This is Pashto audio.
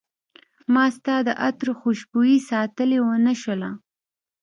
ما ستا د عطرو خوشبوي ساتلی ونه شوله